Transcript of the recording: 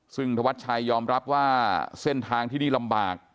ซึ่งธวัดชัยยอมรับว่าเส้นทางที่นี่ลำบาก